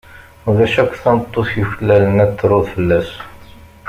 Ulac akk tameṭṭut yuklalen ad truḍ fell-as.